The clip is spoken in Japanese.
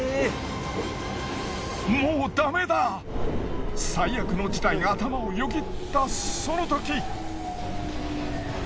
もうダメだ最悪の事態が頭をよぎったそのとき。